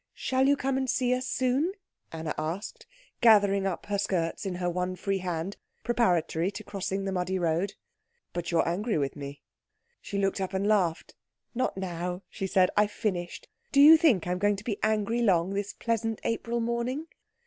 "Shall you come and see us soon?" Anna asked, gathering up her skirts in her one free hand, preparatory to crossing the muddy road. "But you are angry with me." She looked up and laughed. "Not now," she said; "I've finished. Do you think I'm going to be angry long this pleasant April morning?"